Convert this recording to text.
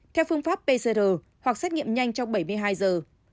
theo phương pháp pcr hoặc xét nghiệm nhanh trong bảy mươi hai giờ